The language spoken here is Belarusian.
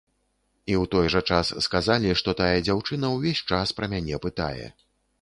І ў той жа час сказалі, што тая дзяўчына ўвесь час пра мяне пытае.